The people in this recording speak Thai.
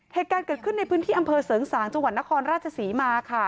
เหตุการณ์เกิดขึ้นในพื้นที่อำเภอเสริงสางจังหวัดนครราชศรีมาค่ะ